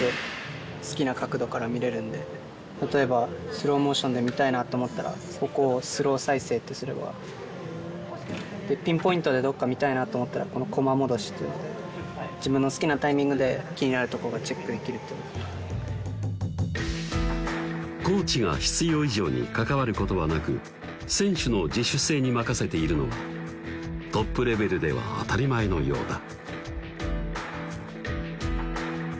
例えばスローモーションで見たいなと思ったらここをスロー再生ってすればでピンポイントでどっか見たいなと思ったらこのコマ戻しっていうのでコーチが必要以上に関わることはなく選手の自主性に任せているのはトップレベルでは当たり前のようだ